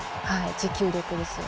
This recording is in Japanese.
持久力ですよね。